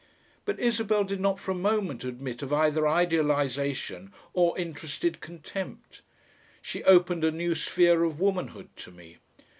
But Isabel did not for a moment admit of either idealisation or interested contempt. She opened a new sphere of womanhood to me.